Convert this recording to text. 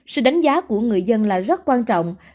sự đánh giá của người dân là rất quan trọng